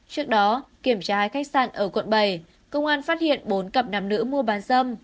trước đó kiểm tra khách sạn ở quận bảy công an phát hiện bốn cặp nam nữ mua bán dâm